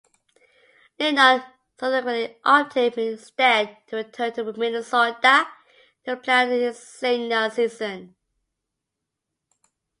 Lenard subsequently opted instead to return to Minnesota to play out his senior season.